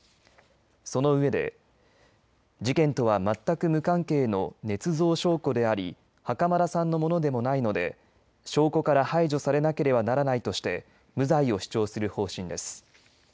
その上で事件とは全く無関係のねつ造証拠であり袴田さんのものでもないので証拠から排除されなければならないとして無罪を主張する方針です。